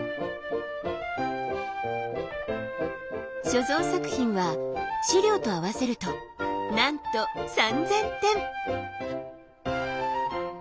所蔵作品は資料と合わせるとなんと３，０００点！